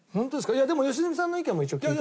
いやでも良純さんの意見も一応聞いとく。